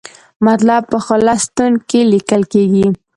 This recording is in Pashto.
مطلب په خلص ستون کې لیکل کیږي.